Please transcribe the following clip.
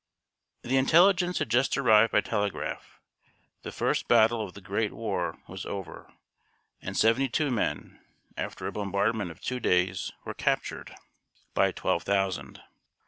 ] The intelligence had just arrived by telegraph. The first battle of the Great War was over, and seventy two men, after a bombardment of two days, were captured by twelve thousand!